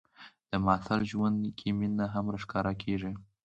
د محصل ژوند کې مینه هم راښکاره کېږي.